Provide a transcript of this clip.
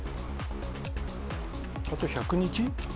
あと１００日？